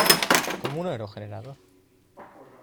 Como un aerogenerador.